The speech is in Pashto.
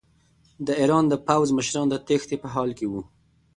د ایران د پوځ مشران د تېښتې په حال کې وو.